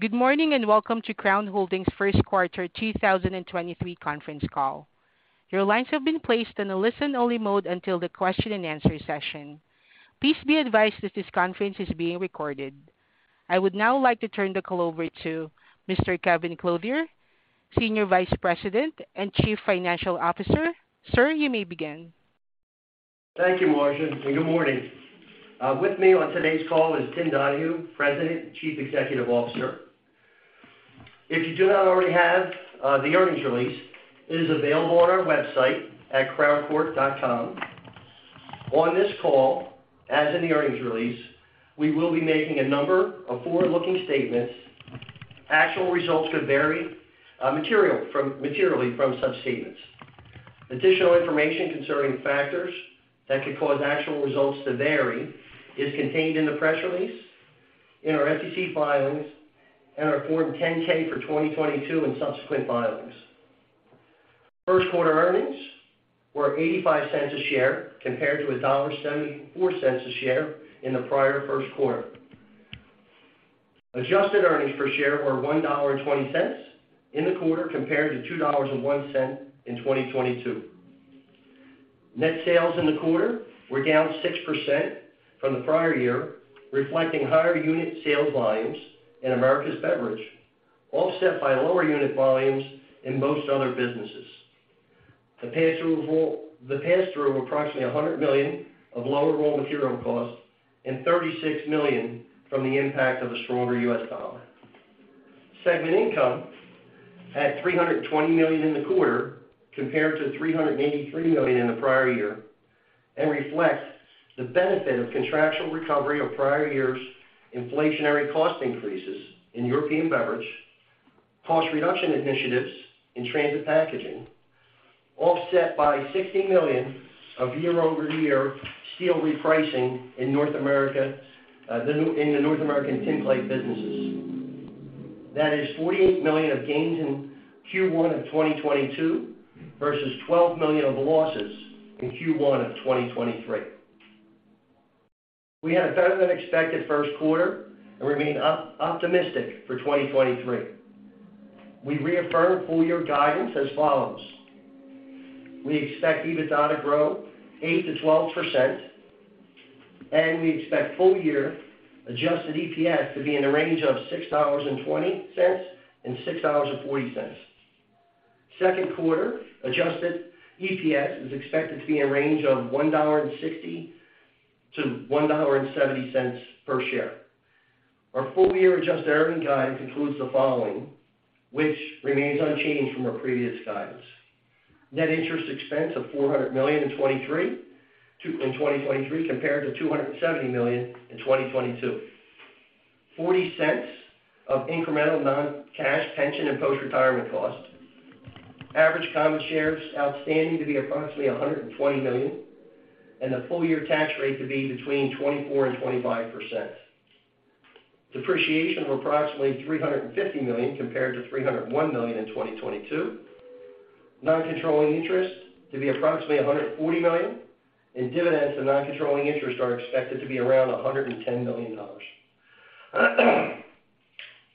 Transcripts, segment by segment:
Good morning, welcome to Crown Holdings' first quarter 2023 conference call. Your lines have been placed in a listen-only mode until the question-and-answer session. Please be advised that this conference is being recorded. I would now like to turn the call over to Mr. Kevin Clothier, Senior Vice President and Chief Financial Officer. Sir, you may begin. Thank you, Marcia. Good morning. With me on today's call is Tim Donahue, President and Chief Executive Officer. If you do not already have the earnings release, it is available on our website at crowncork.com. On this call, as in the earnings release, we will be making a number of forward-looking statements. Actual results could vary materially from such statements. Additional information concerning factors that could cause actual results to vary is contained in the press release, in our SEC filings and our Form 10-K for 2022 and subsequent filings. First quarter earnings were $0.85 a share compared to $1.74 a share in the prior first quarter. Adjusted earnings per share were $1.20 in the quarter compared to $2.01 in 2022. Net sales in the quarter were down 6% from the prior year, reflecting higher unit sales volumes in Americas Beverage, offset by lower unit volumes in most other businesses. The pass-through of approximately $100 million of lower raw material costs and $36 million from the impact of a stronger U.S. dollar. Segment income at $320 million in the quarter compared to $383 million in the prior year and reflects the benefit of contractual recovery of prior years' inflationary cost increases in European Beverage, cost reduction initiatives in Transit Packaging, offset by $60 million of year-over-year steel repricing in North America, in the North American tinplate businesses. That is $48 million of gains in Q1 of 2022 versus $12 million of losses in Q1 of 2023. We had a better than expected first quarter and remain optimistic for 2023. We reaffirm full year guidance as follows: We expect EBITDA to grow 8%-12%, and we expect full year adjusted EPS to be in a range of $6.20 and $6.40. Second quarter adjusted EPS is expected to be in a range of $1.60 to $1.70 per share. Our full year adjusted earning guide includes the following, which remains unchanged from our previous guides. Net interest expense of $400 million in 2023 compared to $270 million in 2022. $0.40 of incremental non-cash pension and postretirement costs. Average common shares outstanding to be approximately 120 million, and the full year tax rate to be between 24% and 25%. Depreciation of approximately $350 million compared to $301 million in 2022. Non-controlling interest to be approximately $140 million. Dividends and non-controlling interest are expected to be around $110 million.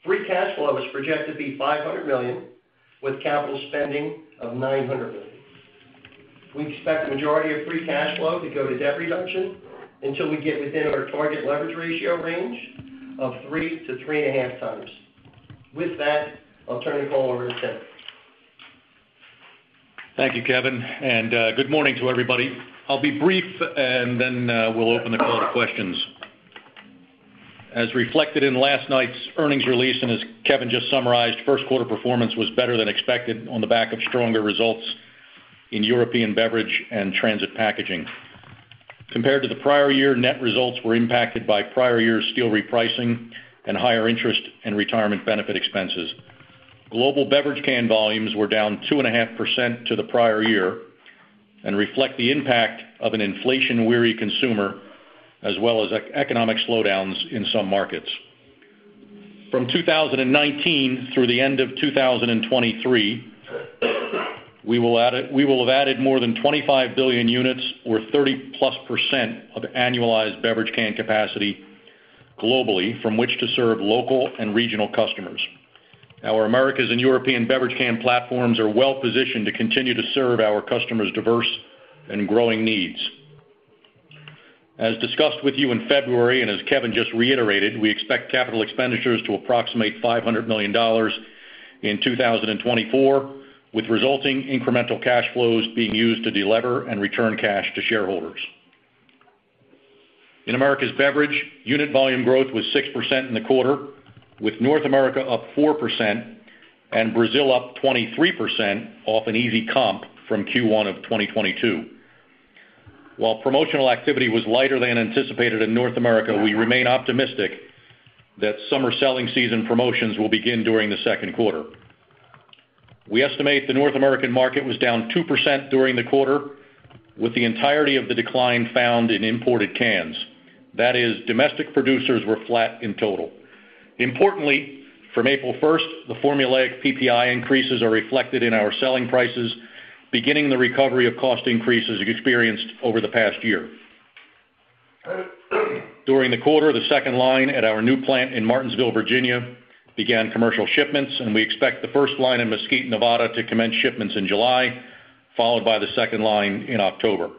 Free cash flow is projected to be $500 million, with capital spending of $900 million. We expect the majority of free cash flow to go to debt reduction until we get within our target leverage ratio range of 3-3.5 times. With that, I'll turn the call over to Tim. Thank you, Kevin. Good morning to everybody. I'll be brief. Then we'll open the call to questions. As reflected in last night's earnings release and as Kevin just summarized, first quarter performance was better than expected on the back of stronger results in European Beverage and Transit Packaging. Compared to the prior year, net results were impacted by prior year steel repricing and higher interest and retirement benefit expenses. Global beverage can volumes were down 2.5% to the prior year and reflect the impact of an inflation-weary consumer, as well as economic slowdowns in some markets. From 2019 through the end of 2023, we will have added more than 25 billion units or 30%+ of annualized beverage can capacity globally from which to serve local and regional customers. Our Americas Beverage and European Beverage can platforms are well positioned to continue to serve our customers' diverse and growing needs. As discussed with you in February and as Kevin just reiterated, we expect capital expenditures to approximate $500 million in 2024, with resulting incremental cash flows being used to delever and return cash to shareholders. In Americas Beverage, unit volume growth was 6% in the quarter, with North America up 4% and Brazil up 23% off an easy comp from Q1 of 2022. While promotional activity was lighter than anticipated in North America, we remain optimistic that summer selling season promotions will begin during the second quarter. We estimate the North American market was down 2% during the quarter, with the entirety of the decline found in imported cans. That is, domestic producers were flat in total. Importantly, from April 1st, the formulaic PPI increases are reflected in our selling prices, beginning the recovery of cost increases experienced over the past year. During the quarter, the second line at our new plant in Martinsville, Virginia began commercial shipments, and we expect the first line in Mesquite, Nevada to commence shipments in July, followed by the second line in October.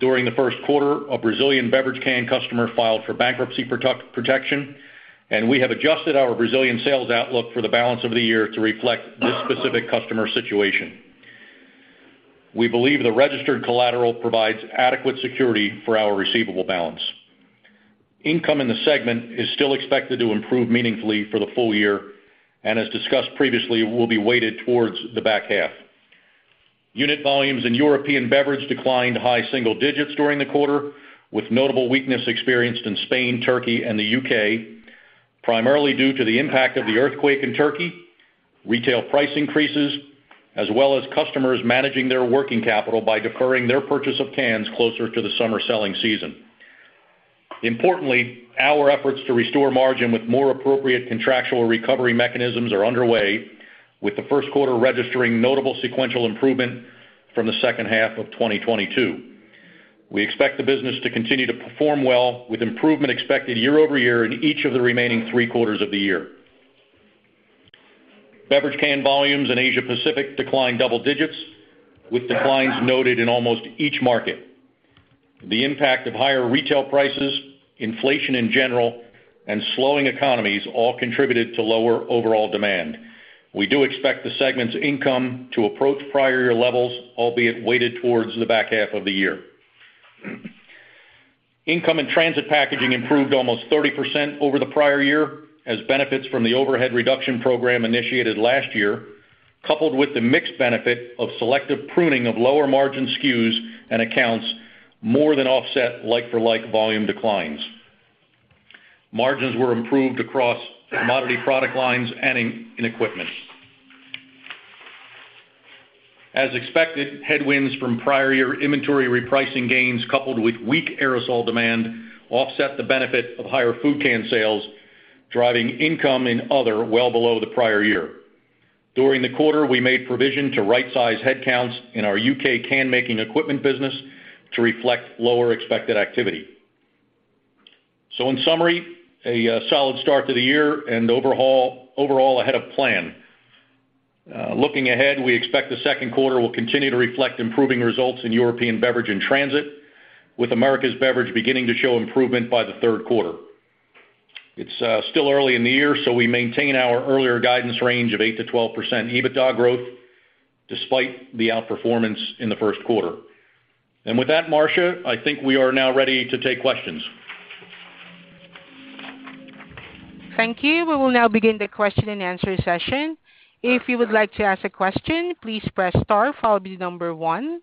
During the first quarter, a Brazilian beverage can customer filed for bankruptcy protection, and we have adjusted our Brazilian sales outlook for the balance of the year to reflect this specific customer situation. We believe the registered collateral provides adequate security for our receivable balance. Income in the segment is still expected to improve meaningfully for the full year and as discussed previously, will be weighted towards the back half. Unit volumes in European Beverage declined high single digits during the quarter, with notable weakness experienced in Spain, Turkey and the U.K., primarily due to the impact of the earthquake in Turkey, retail price increases, as well as customers managing their working capital by deferring their purchase of cans closer to the summer selling season. Importantly, our efforts to restore margin with more appropriate contractual recovery mechanisms are underway, with the first quarter registering notable sequential improvement from the second half of 2022. We expect the business to continue to perform well, with improvement expected year-over-year in each of the remaining three quarters of the year. Beverage can volumes in Asia Pacific declined double digits, with declines noted in almost each market. The impact of higher retail prices, inflation in general, and slowing economies all contributed to lower overall demand. We do expect the segment's income to approach prior year levels, albeit weighted towards the back half of the year. Income and Transit Packaging improved almost 30% over the prior year as benefits from the overhead reduction program initiated last year, coupled with the mixed benefit of selective pruning of lower margin SKUs and accounts more than offset like for like volume declines. Margins were improved across commodity product lines and in equipment. As expected, headwinds from prior year inventory repricing gains coupled with weak aerosol demand offset the benefit of higher food can sales, driving income in other well below the prior year. During the quarter, we made provision to right-size headcounts in our U.K. can making equipment business to reflect lower expected activity. In summary, a solid start to the year and overall ahead of plan. Looking ahead, we expect the second quarter will continue to reflect improving results in European Beverage and Transit, with Americas Beverage beginning to show improvement by the third quarter. It's still early in the year, so we maintain our earlier guidance range of 8%-12% EBITDA growth despite the outperformance in the first quarter. With that, Marcia, I think we are now ready to take questions. Thank you. We will now begin the question-and-answer session. If you would like to ask a question, please press star, followed by the number one.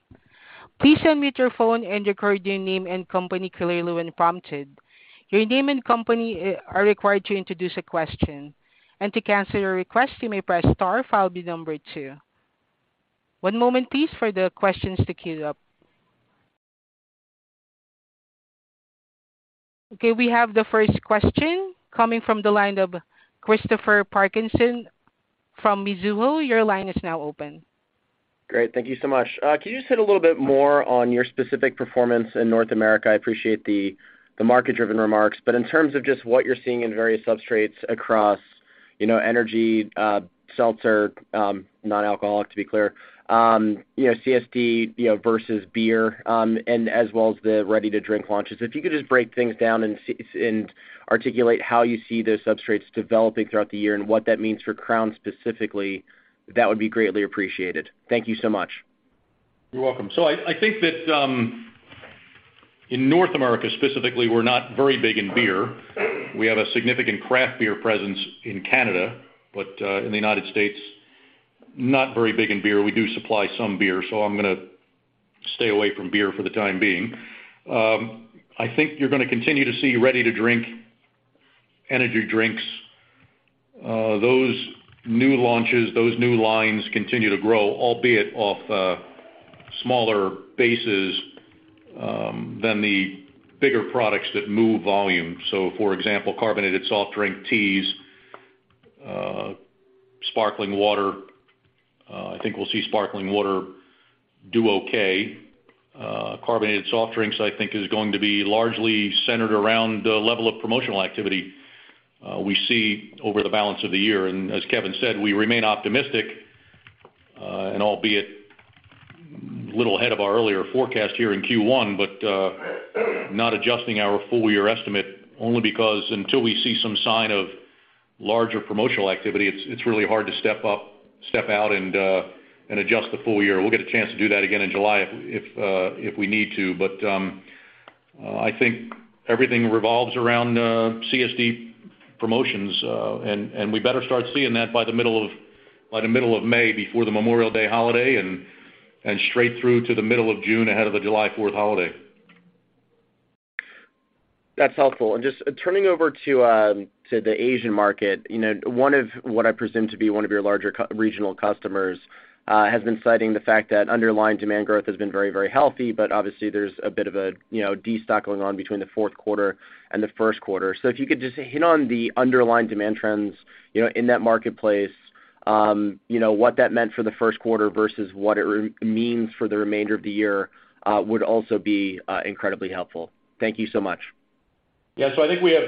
Please unmute your phone and record your name and company clearly when prompted. Your name and company are required to introduce a question. To cancel your request, you may press star followed by number two. One moment please, for the questions to queue up. Okay, we have the first question coming from the line of Christopher Parkinson from Mizuho. Your line is now open. Great. Thank you so much. Could you just hit a little bit more on your specific performance in North America? I appreciate the market-driven remarks, but in terms of just what you're seeing in various substrates across, you know, energy, seltzer, non-alcoholic, to be clear, you know, CSD, you know, versus beer, and as well as the ready to drink launches. If you could just break things down and articulate how you see those substrates developing throughout the year and what that means for Crown specifically, that would be greatly appreciated. Thank you so much. You're welcome. I think that in North America specifically, we're not very big in beer. We have a significant craft beer presence in Canada, but in the United States, not very big in beer. We do supply some beer. I'm gonna stay away from beer for the time being. I think you're gonna continue to see ready to drink energy drinks. Those new launches, those new lines continue to grow, albeit off smaller bases than the bigger products that move volume. For example, carbonated soft drink teas, sparkling water. I think we'll see sparkling water do okay. Carbonated soft drinks, I think is going to be largely centered around the level of promotional activity we see over the balance of the year. As Kevin said, we remain optimistic, and albeit little ahead of our earlier forecast here in Q1, but not adjusting our full year estimate only because until we see some sign of larger promotional activity, it's really hard to step out and adjust the full year. We'll get a chance to do that again in July if we need to. I think everything revolves around CSD promotions, and we better start seeing that by the middle of May, before the Memorial Day holiday and straight through to the middle of June ahead of the July Fourth holiday. That's helpful. Just turning over to the Asian market. You know, one of what I presume to be one of your larger regional customers has been citing the fact that underlying demand growth has been very healthy, but obviously there's a bit of a, you know, destock going on between the fourth quarter and the first quarter. If you could just hit on the underlying demand trends, you know, in that marketplace. You know, what that meant for the first quarter versus what it means for the remainder of the year would also be incredibly helpful. Thank you so much. I think we have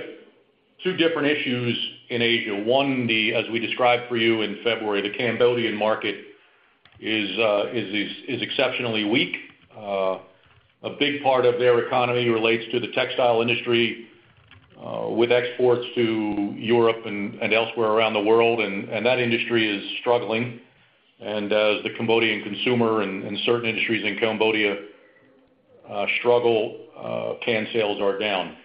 two different issues in Asia. One, the, as we described for you in February, the Cambodian market is exceptionally weak. A big part of their economy relates to the textile industry, with exports to Europe and elsewhere around the world, and that industry is struggling. As the Cambodian consumer and certain industries in Cambodia struggle, can sales are down.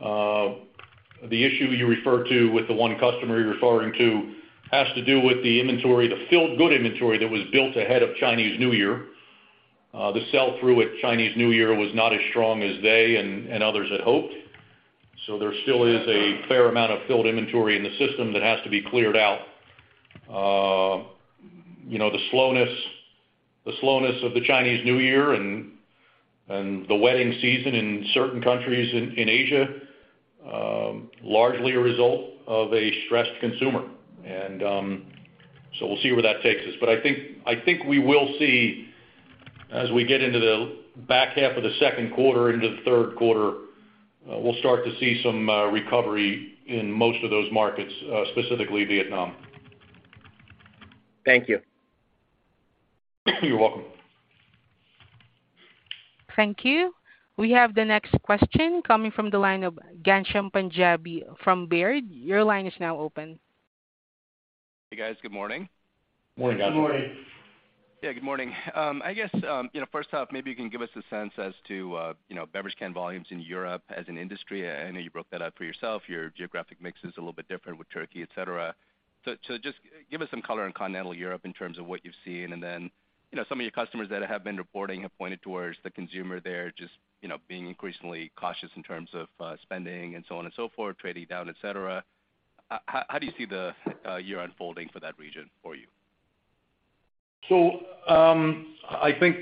The issue you referred to with the one customer you're referring to has to do with the inventory, the filled good inventory that was built ahead of Chinese New Year. The sell-through at Chinese New Year was not as strong as they and others had hoped. There still is a fair amount of filled inventory in the system that has to be cleared out. You know, the slowness of the Chinese New Year and the wedding season in certain countries in Asia, largely a result of a stressed consumer. We'll see where that takes us. I think we will see as we get into the back half of the second quarter into the third quarter, we'll start to see some recovery in most of those markets, specifically Vietnam. Thank you. You're welcome. Thank you. We have the next question coming from the line of Ghansham Panjabi from Baird. Your line is now open. Hey, guys. Good morning. Morning, Ghansham. Good morning. Good morning. I guess, you know, first off, maybe you can give us a sense as to, you know, beverage can volumes in Europe as an industry. I know you broke that out for yourself. Your geographic mix is a little bit different with Turkey, et cetera. Just give us some color on continental Europe in terms of what you've seen, then, you know, some of your customers that have been reporting have pointed towards the consumer there just, you know, being increasingly cautious in terms of spending and so on and so forth, trading down, et cetera. How do you see the year unfolding for that region for you? I think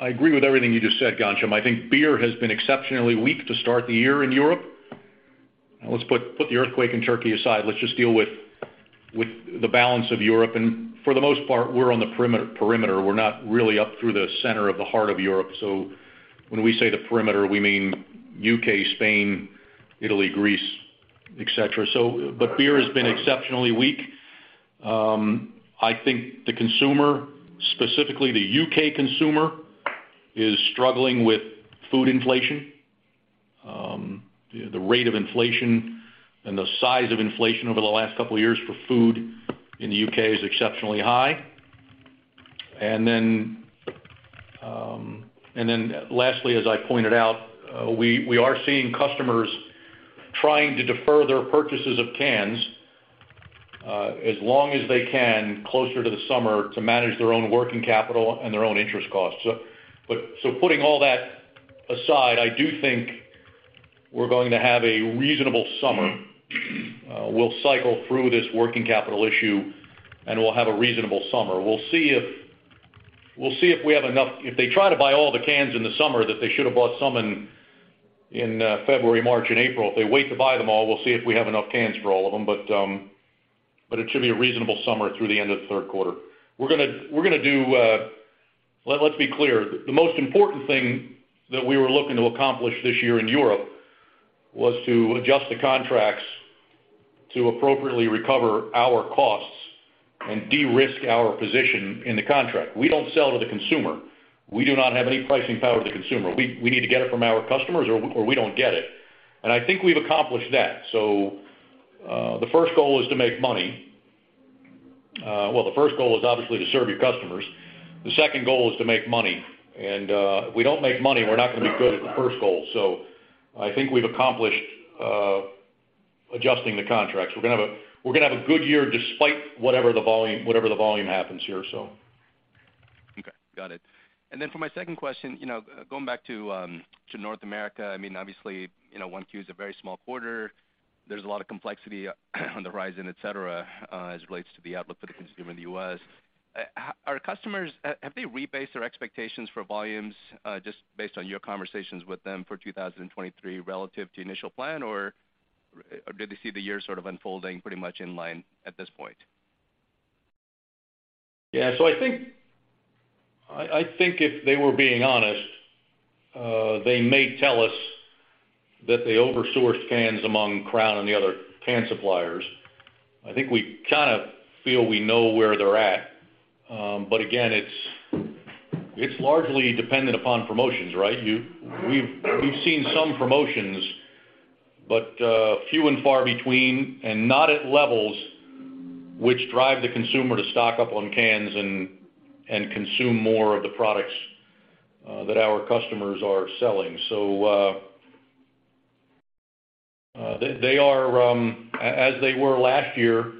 I agree with everything you just said, Ghansham. I think beer has been exceptionally weak to start the year in Europe. Let's put the earthquake in Turkey aside. Let's just deal with the balance of Europe. For the most part, we're on the perimeter. We're not really up through the center of the heart of Europe. When we say the perimeter, we mean U.K., Spain, Italy, Greece, et cetera. But beer has been exceptionally weak. I think the consumer, specifically the U.K. consumer, is struggling with food inflation. The rate of inflation and the size of inflation over the last couple of years for food in the U.K. is exceptionally high. Lastly, as I pointed out, we are seeing customers trying to defer their purchases of cans as long as they can closer to the summer to manage their own working capital and their own interest costs. Putting all that aside, I do think we're going to have a reasonable summer. We'll cycle through this working capital issue, and we'll have a reasonable summer. We'll see if we have enough. If they try to buy all the cans in the summer that they should have bought some in February, March, and April, if they wait to buy them all, we'll see if we have enough cans for all of them. But it should be a reasonable summer through the end of the third quarter. We're gonna do Let's be clear. The most important thing that we were looking to accomplish this year in Europe was to adjust the contracts to appropriately recover our costs and de-risk our position in the contract. We don't sell to the consumer. We do not have any pricing power to the consumer. We need to get it from our customers or we don't get it. I think we've accomplished that. The first goal is to make money. Well, the first goal is obviously to serve your customers. The second goal is to make money. If we don't make money, we're not gonna be good at the first goal. I think we've accomplished adjusting the contracts. We're gonna have a good year despite whatever the volume happens here. Okay. Got it. Then for my second question, you know, going back to North America, I mean, obviously, you know, 1Q is a very small quarter. There's a lot of complexity on the horizon, et cetera, as it relates to the outlook for the consumer in the U.S. Have our customers, have they rebased their expectations for volumes, just based on your conversations with them for 2023 relative to initial plan, or do they see the year sort of unfolding pretty much in line at this point? Yeah. I think if they were being honest, they may tell us that they oversourced cans among Crown and the other can suppliers. I think we kinda feel we know where they're at. Again, it's largely dependent upon promotions, right? We've seen some promotions, but few and far between and not at levels which drive the consumer to stock up on cans and consume more of the products that our customers are selling. They are, as they were last year,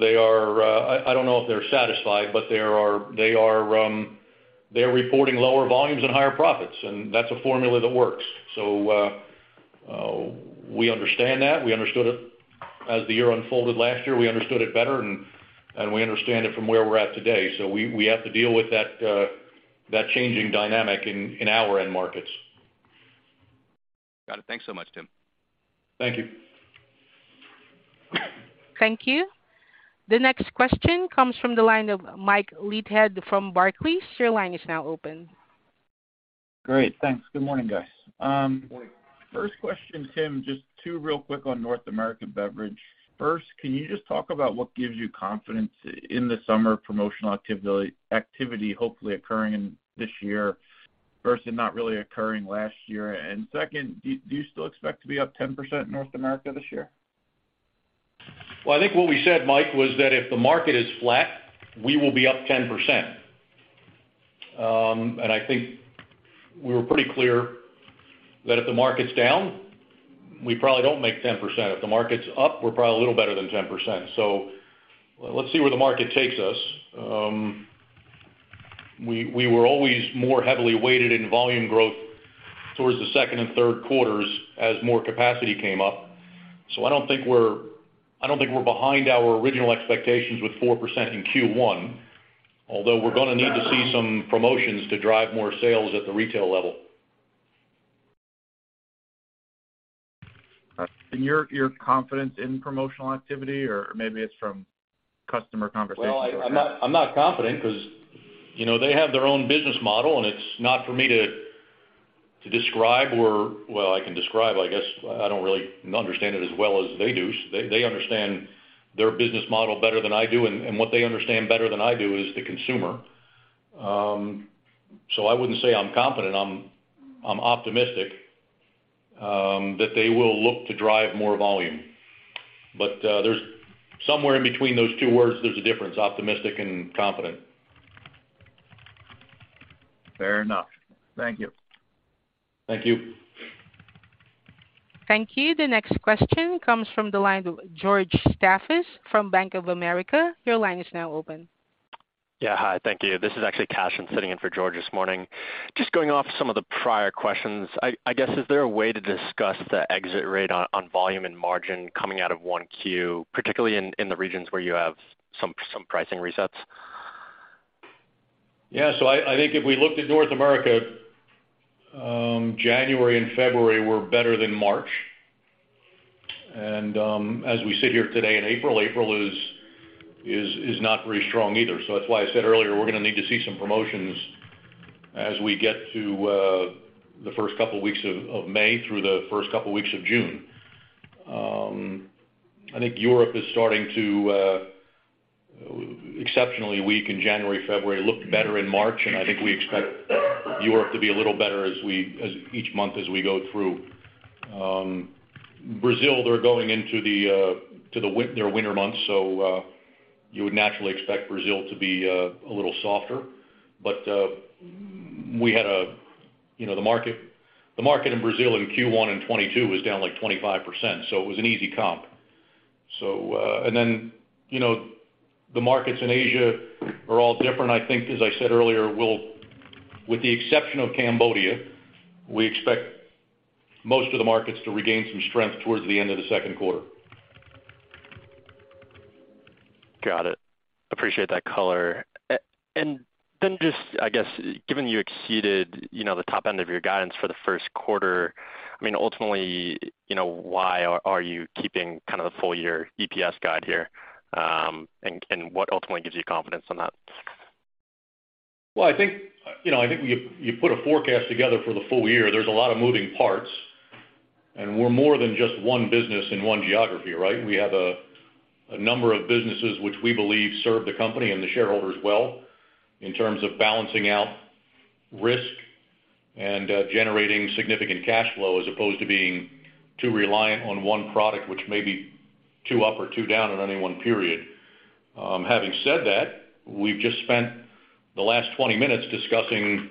they are, I don't know if they're satisfied, but they are, they're reporting lower volumes and higher profits, and that's a formula that works. We understand that. We understood it as the year unfolded last year. We understood it better, and we understand it from where we're at today. We have to deal with that changing dynamic in our end markets. Got it. Thanks so much, Tim. Thank you. Thank you. The next question comes from the line of Mike Leithead from Barclays. Your line is now open. Great. Thanks. Good morning, guys. Good morning. First question, Tim, just two real quick on Americas Beverage. First, can you just talk about what gives you confidence in the summer promotional activity hopefully occurring in this year versus not really occurring last year? Second, do you still expect to be up 10% Americas Beverage this year? Well, I think what we said, Mike, was that if the market is flat, we will be up 10%. I think we were pretty clear that if the market's down, we probably don't make 10%. If the market's up, we're probably a little better than 10%. Let's see where the market takes us. We were always more heavily weighted in volume growth towards the second and third quarters as more capacity came up. I don't think we're behind our original expectations with 4% in Q1, although we're gonna need to see some promotions to drive more sales at the retail level. You're confident in promotional activity or maybe it's from customer conversations? I'm not confident 'cause, you know, they have their own business model, and it's not for me to describe or I can describe, I guess. I don't really understand it as well as they do. They understand their business model better than I do, and what they understand better than I do is the consumer. I wouldn't say I'm confident. I'm optimistic that they will look to drive more volume. There's somewhere in between those two words, there's a difference, optimistic and confident. Fair enough. Thank you. Thank you. Thank you. The next question comes from the line of George Staphos from Bank of America. Your line is now open. Yeah. Hi, thank you. This is actually Kashan sitting in for George this morning. Just going off some of the prior questions, I guess, is there a way to discuss the exit rate on volume and margin coming out of 1Q, particularly in the regions where you have some pricing resets? Yeah. I think if we looked at North America, January and February were better than March. As we sit here today in April is not very strong either. That's why I said earlier, we're gonna need to see some promotions as we get to the first couple weeks of May through the first couple weeks of June. I think Europe is starting to exceptionally weak in January, February, looked better in March, and I think we expect Europe to be a little better as each month as we go through. Brazil, they're going into their winter months, so, you would naturally expect Brazil to be a little softer. We had a, you know, the market in Brazil in Q1 in 2022 was down, like, 25%, so it was an easy comp. You know, the markets in Asia are all different. I think, as I said earlier, we'll with the exception of Cambodia, we expect most of the markets to regain some strength towards the end of the second quarter. Got it. Appreciate that color. Then just, I guess, given you exceeded, you know, the top end of your guidance for the first quarter, I mean, ultimately, you know, why are you keeping kind of the full-year EPS guide here? What ultimately gives you confidence on that? Well, I think, you know, I think you put a forecast together for the full year, there's a lot of moving parts, we're more than just one business in one geography, right? We have a number of businesses which we believe serve the company and the shareholders well in terms of balancing out risk and generating significant cash flow as opposed to being too reliant on one product, which may be two up or two down in any one period. Having said that, we've just spent the last 20 minutes discussing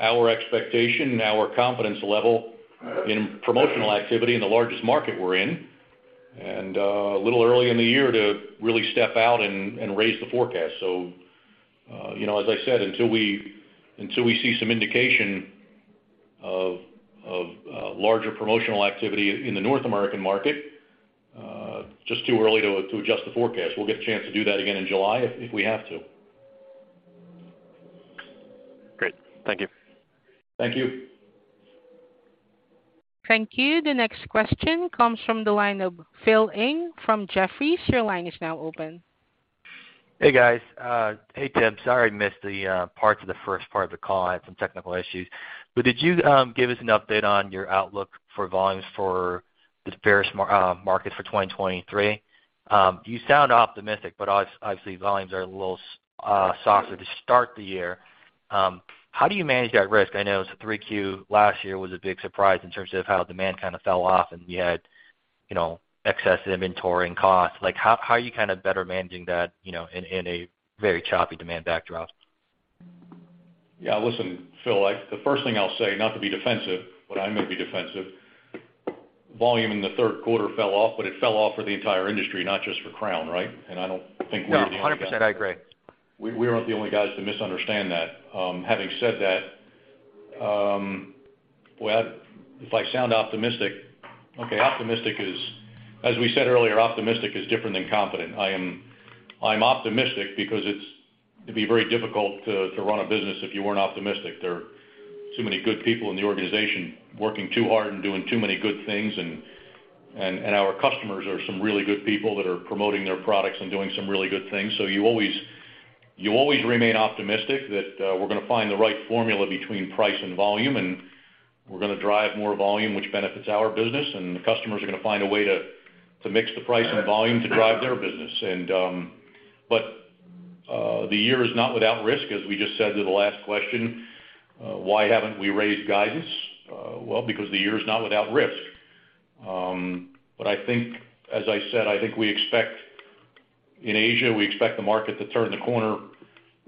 our expectation and our confidence level in promotional activity in the largest market we're in. A little early in the year to really step out and raise the forecast. you know, as I said, until we see some indication of larger promotional activity in the North American market, just too early to adjust the forecast. We'll get a chance to do that again in July if we have to. Great. Thank you. Thank you. Thank you. The next question comes from the line of Phil Ng from Jefferies. Your line is now open. Hey, guys. Hey, Tim. Sorry, I missed the parts of the first part of the call. I had some technical issues. Did you give us an update on your outlook for volumes for the various markets for 2023? You sound optimistic, but obviously volumes are a little softer to start the year. How do you manage that risk? I know so 3Q last year was a big surprise in terms of how demand kind of fell off and we had, you know, excess inventory and costs. Like, how are you kind of better managing that, you know, in a very choppy demand backdrop? Yeah. Listen, Phil, the first thing I'll say, not to be defensive, but I'm gonna be defensive. Volume in the third quarter fell off, but it fell off for the entire industry, not just for Crown, right? I don't think we're the only- No. 100%, I agree. We aren't the only guys to misunderstand that. Having said that, well, if I sound optimistic, okay, optimistic is. As we said earlier, optimistic is different than confident. I'm optimistic because it'd be very difficult to run a business if you weren't optimistic. There are too many good people in the organization working too hard and doing too many good things and our customers are some really good people that are promoting their products and doing some really good things. You always, you always remain optimistic that we're gonna find the right formula between price and volume, and we're gonna drive more volume, which benefits our business, and the customers are gonna find a way to mix the price and volume to drive their business. The year is not without risk, as we just said to the last question. Why haven't we raised guidance? Well, because the year is not without risk. I think, as I said, I think we expect In Asia, we expect the market to turn the corner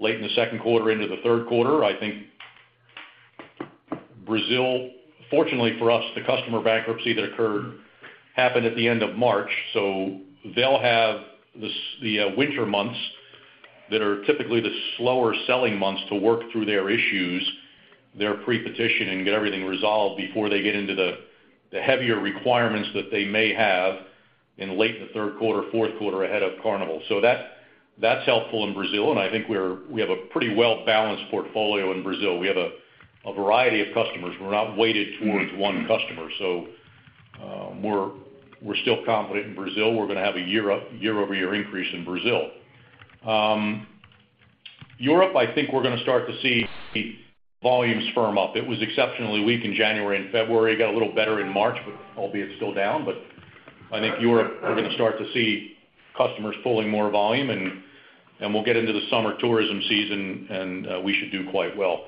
late in the second quarter into the third quarter. I think Brazil, fortunately for us, the customer bankruptcy that occurred happened at the end of March, so they'll have the winter months that are typically the slower selling months to work through their issues, their pre-petition and get everything resolved before they get into the heavier requirements that they may have in late in the third quarter, fourth quarter ahead of Carnival. That's helpful in Brazil, and I think we have a pretty well-balanced portfolio in Brazil. We have a variety of customers. We're not weighted towards one customer. We're still confident in Brazil. We're gonna have a year-over-year increase in Brazil. Europe, I think we're gonna start to see volumes firm up. It was exceptionally weak in January and February. It got a little better in March, but albeit still down. I think Europe, we're gonna start to see customers pulling more volume and we'll get into the summer tourism season, and we should do quite well.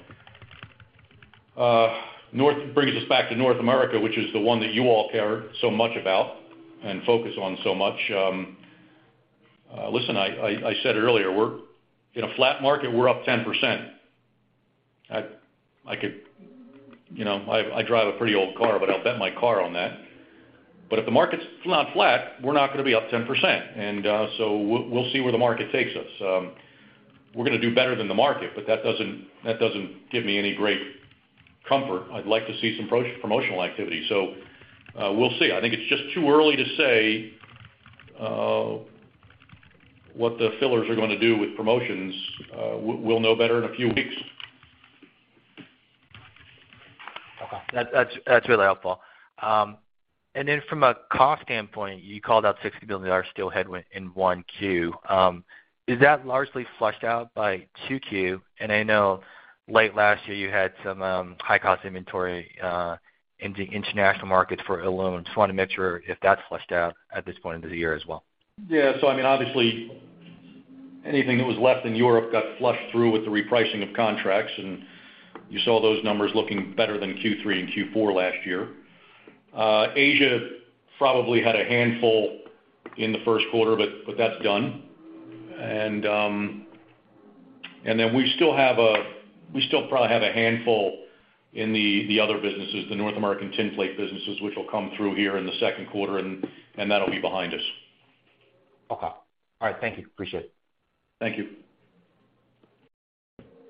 brings us back to North America, which is the one that you all care so much about and focus on so much. listen, I said earlier, we're in a flat market, we're up 10%. I could You know, I drive a pretty old car, but I'll bet my car on that. If the market's not flat, we're not gonna be up 10%. we'll see where the market takes us. We're gonna do better than the market, but that doesn't give me any great comfort. I'd like to see some promotional activity. we'll see. I think it's just too early to say what the fillers are gonna do with promotions. we'll know better in a few weeks. Okay. That's really helpful. From a cost standpoint, you called out $60 billion still ahead headwind in 1Q. Is that largely flushed out by 2Q? I know late last year you had some high-cost inventory in the international markets for aluminum. Just wanna make sure if that's flushed out at this point in the year as well. I mean, obviously, anything that was left in Europe got flushed through with the repricing of contracts, and you saw those numbers looking better than Q3 and Q4 last year. Asia probably had a handful in the first quarter, but that's done. Then we still probably have a handful in the other businesses, the North American tinplate businesses, which will come through here in the second quarter, and that'll be behind us. Okay. All right. Thank you. Appreciate it. Thank you.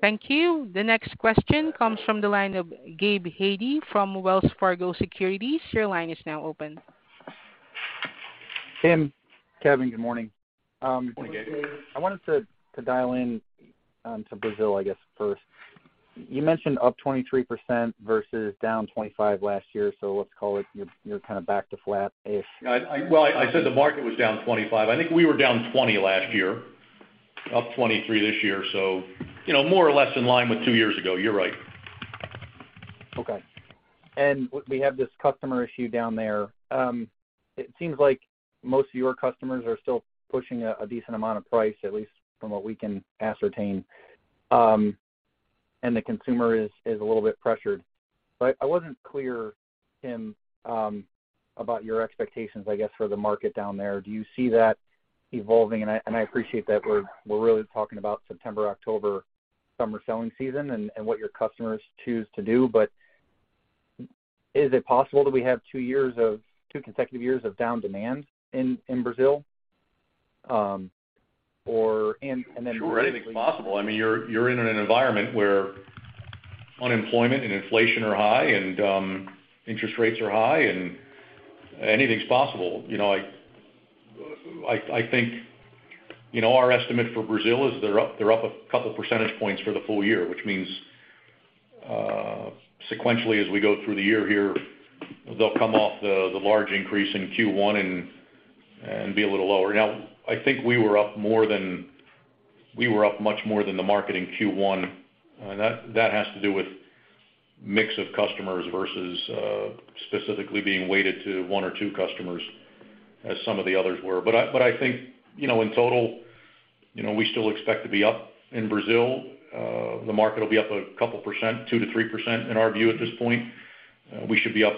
Thank you. The next question comes from the line of Gabe Hajde from Wells Fargo Securities. Your line is now open. Tim, Kevin, good morning. Good morning, Gabe. I wanted to dial in to Brazil, I guess first. You mentioned up 23% versus down 25 last year. Let's call it you're kind of back to flat-ish. I Well, I said the market was down 25. I think we were down 20 last year. Up 23 this year, so, you know, more or less in line with two years ago. You're right. Okay. We have this customer issue down there. It seems like most of your customers are still pushing a decent amount of price, at least from what we can ascertain, and the consumer is a little bit pressured. I wasn't clear, Tim, about your expectations, I guess, for the market down there. Do you see that evolving? I appreciate that we're really talking about September, October summer selling season and what your customers choose to do. Is it possible that we have two consecutive years of down demand in Brazil? Or Sure. Anything's possible. I mean, you're in an environment where unemployment and inflation are high and interest rates are high and anything's possible. You know, I think, you know, our estimate for Brazil is they're up, they're up a couple percentage points for the full year, which means sequentially, as we go through the year here, they'll come off the large increase in Q1 and be a little lower. I think we were up much more than the market in Q1. That, that has to do with mix of customers versus specifically being weighted to one or two customers as some of the others were. I think, you know, in total, you know, we still expect to be up in Brazil. The market will be up a couple percent, 2%-3% in our view at this point. We should be up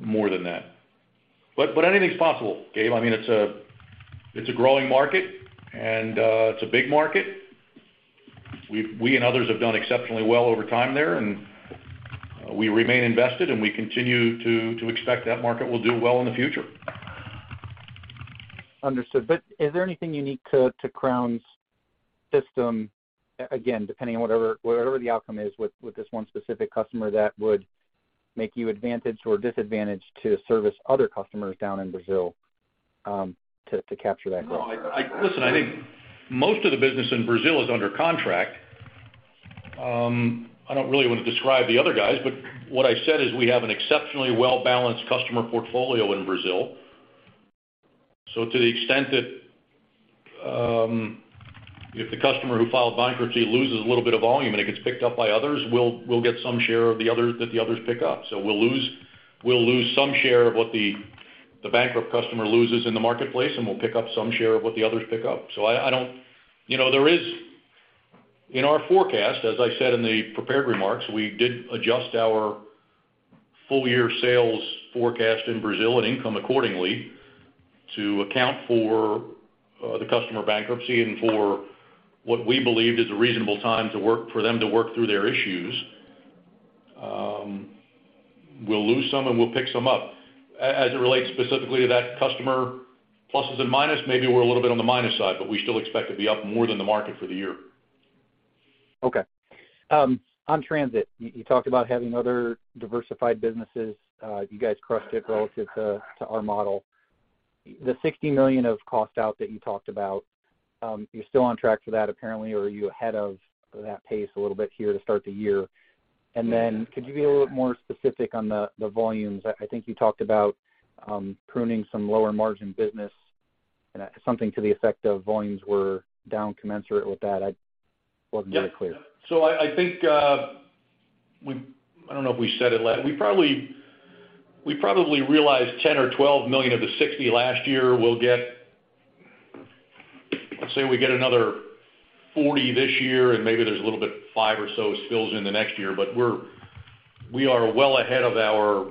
more than that. Anything's possible, Gabe. I mean, it's a growing market and it's a big market. We and others have done exceptionally well over time there, and we remain invested, and we continue to expect that market will do well in the future. Is there anything unique to Crown'sSystem, again, depending on whatever the outcome is with this one specific customer that would make you advantage or disadvantage to service other customers down in Brazil, to capture that growth? No, listen, I think most of the business in Brazil is under contract. I don't really want to describe the other guys, but what I said is we have an exceptionally well-balanced customer portfolio in Brazil. To the extent that, if the customer who filed bankruptcy loses a little bit of volume and it gets picked up by others, we'll get some share of the other that the others pick up. We'll lose some share of what the bankrupt customer loses in the marketplace, and we'll pick up some share of what the others pick up. I don't. You know, in our forecast, as I said in the prepared remarks, we did adjust our full year sales forecast in Brazil and income accordingly to account for the customer bankruptcy and for what we believed is a reasonable time for them to work through their issues. We'll lose some and we'll pick some up. As it relates specifically to that customer pluses and minuses, maybe we're a little bit on the minus side, but we still expect to be up more than the market for the year. On Transit Packaging, you talked about having other diversified businesses. You guys crushed it relative to our model. The $60 million of cost out that you talked about, you're still on track for that apparently or are you ahead of that pace a little bit here to start the year? Could you be a little more specific on the volumes? I think you talked about pruning some lower margin business and something to the effect of volumes were down commensurate with that. I wasn't very clear. Yeah. I think I don't know if we said it. We probably, we probably realized $10 million or $12 million of the $60 million last year. Let's say we get another $40 million this year, and maybe there's a little bit $5 million or so spills in the next year. We are well ahead of our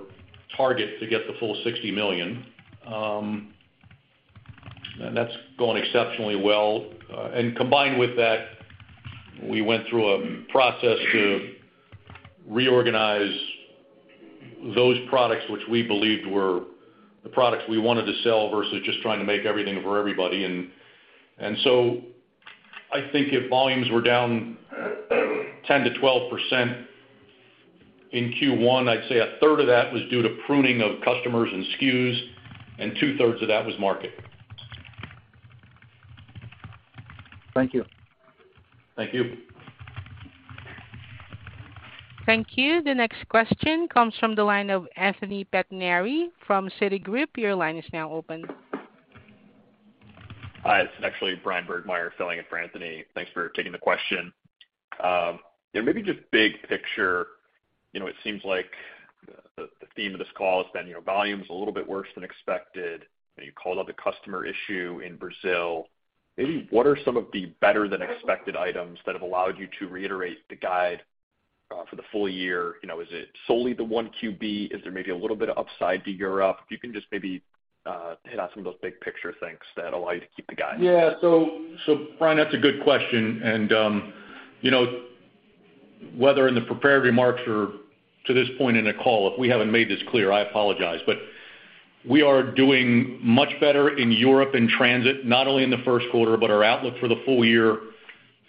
target to get the full $60 million. That's going exceptionally well. Combined with that, we went through a process to reorganize those products which we believed were the products we wanted to sell versus just trying to make everything for everybody. I think if volumes were down 10%-12% in Q1, I'd say a third of that was due to pruning of customers and SKUs, and two-thirds of that was market. Thank you. Thank you. Thank you. The next question comes from the line of Anthony Pettinari from Citigroup. Your line is now open. Hi, it's actually Bryan Burgmeier filling in for Anthony. Thanks for taking the question. Yeah, maybe just big picture, you know, it seems like the theme of this call has been, you know, volume's a little bit worse than expected, and you called out the customer issue in Brazil. Maybe what are some of the better than expected items that have allowed you to reiterate the guide for the full year? You know, is it solely the 1QB? Is there maybe a little bit of upside to Europe? If you can just maybe hit on some of those big picture things that allow you to keep the guide. Yeah. Bryan, that's a good question. You know, whether in the prepared remarks or to this point in the call, if we haven't made this clear, I apologize, but we are doing much better in Europe in Transit, not only in the first quarter, but our outlook for the full year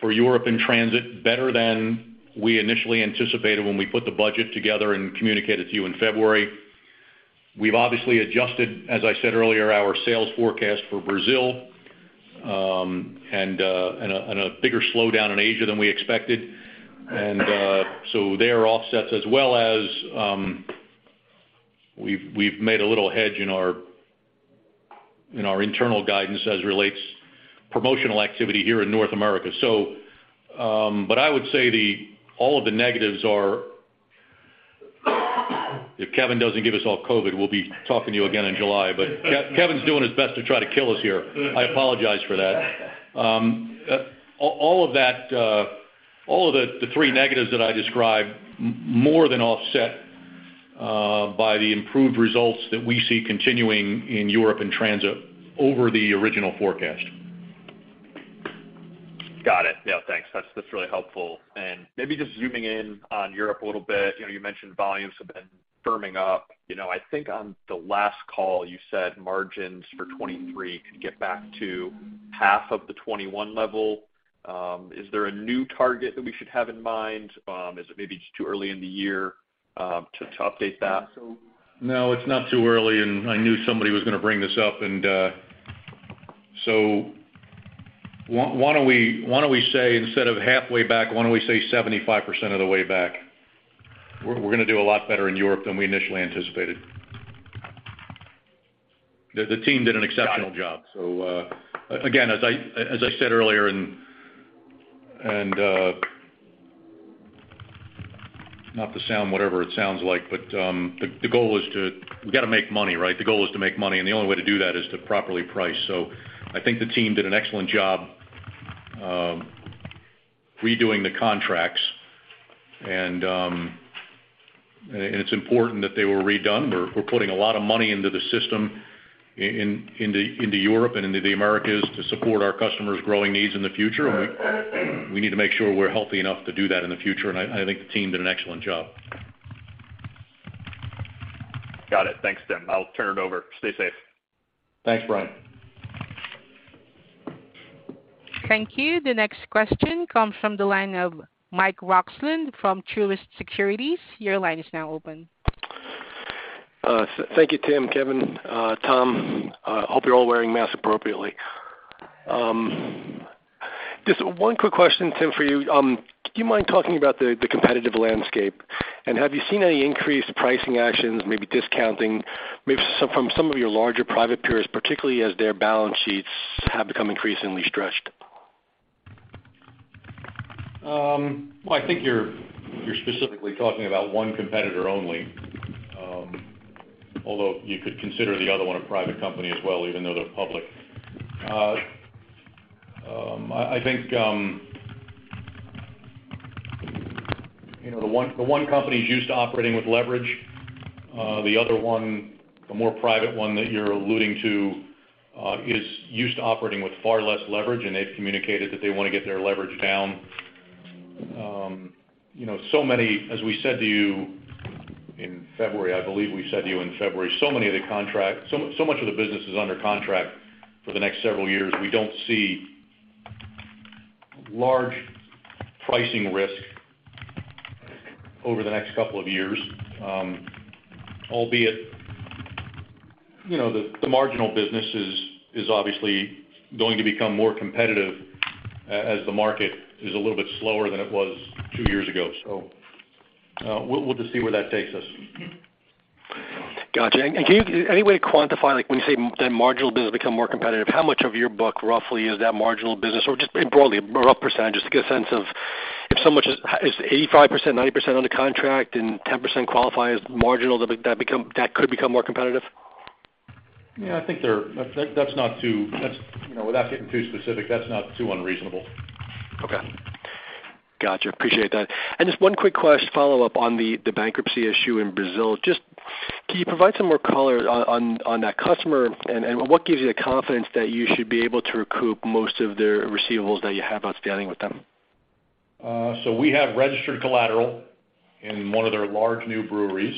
for Europe in Transit better than we initially anticipated when we put the budget together and communicated to you in February. We've obviously adjusted, as I said earlier, our sales forecast for Brazil, and a bigger slowdown in Asia than we expected. There are offsets as well as we've made a little hedge in our internal guidance as relates promotional activity here in North America. I would say all of the negatives are If Kevin doesn't give us all COVID, we'll be talking to you again in July. Kevin's doing his best to try to kill us here. I apologize for that. All of that, all of the three negatives that I described more than offset by the improved results that we see continuing in Europe in Transit over the original forecast. Got it. Yeah, thanks. That's really helpful. Maybe just zooming in on Europe a little bit. You know, you mentioned volumes have been firming up. You know, I think on the last call, you said margins for 23 could get back to half of the 21 level. Is there a new target that we should have in mind? Is it maybe it's too early in the year to update that? No, it's not too early, and I knew somebody was gonna bring this up and, so why don't we, why don't we say instead of halfway back, why don't we say 75% of the way back? We're gonna do a lot better in Europe than we initially anticipated. The team did an exceptional job. Got it. Again, as I said earlier and, not to sound whatever it sounds like, but, the goal is to. We gotta make money, right? The goal is to make money, and the only way to do that is to properly price. I think the team did an excellent job redoing the contracts and, it's important that they were redone. We're putting a lot of money into the system into Europe and into the Americas to support our customers' growing needs in the future. We need to make sure we're healthy enough to do that in the future, and I think the team did an excellent job. Got it. Thanks, Tim. I'll turn it over. Stay safe. Thanks, Bryan. Thank you. The next question comes from the line of Michael Roxland from Truist Securities. Your line is now open. Thank you, Tim, Kevin, Tom. Hope you're all wearing masks appropriately. Just one quick question, Tim, for you. Do you mind talking about the competitive landscape? Have you seen any increased pricing actions, maybe discounting, maybe from some of your larger private peers, particularly as their balance sheets have become increasingly stretched? Well, I think you're specifically talking about 1 competitor only. Although you could consider the other one a private company as well, even though they're public. I think, you know, the one company is used to operating with leverage. The other one, the more private one that you're alluding to, is used to operating with far less leverage, and they've communicated that they wanna get their leverage down. You know, as we said to you in February, I believe we said to you in February, so much of the business is under contract for the next several years. We don't see large pricing risk over the next couple of years. Albeit, you know, the marginal business is obviously going to become more competitive as the market is a little bit slower than it was two years ago. We'll just see where that takes us. Gotcha. Can you any way quantify, like, when you say that marginal business become more competitive, how much of your book roughly is that marginal business? Or just broadly, a rough percentage just to get a sense of if so much as 85%, 90% under contract and 10% qualify as marginal, that could become more competitive. Yeah, I think That's, you know, without getting too specific, that's not too unreasonable. Okay. Gotcha. Appreciate that. Just one quick follow-up on the bankruptcy issue in Brazil. Just can you provide some more color on that customer and what gives you the confidence that you should be able to recoup most of their receivables that you have outstanding with them? We have registered collateral in one of their large new breweries,